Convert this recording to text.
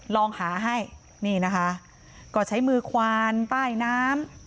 ลองหาให้นี่นะคะก็ใช้มือควานใต้น้ำ